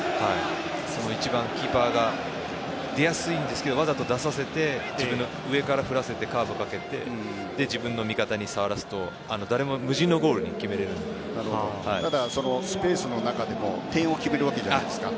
一番、キーパーが出やすいんですがわざと出させて自分の上から降らせてカードをかけて自分の味方に触らせると無人のゴールにただ、そのスペースの中でも点を決めるわけじゃないですか。